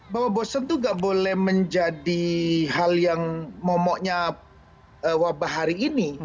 bahwa bosen itu gak boleh menjadi hal yang momoknya wabah hari ini